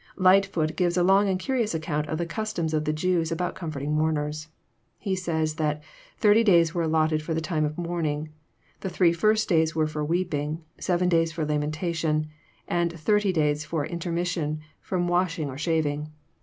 Llghtfoot gives a long and curious account of the customs of the Jews about comforting mourners. He says that ''thirty days were allotted for the time of mourning. The three first days were for weeping ; seven days for lamentation ; and thirty days for intermission ft*om washing or shaving.